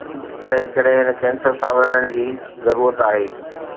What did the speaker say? تنهنڪري هن ڪينسر سان وڙهڻ جي ضرورت آهي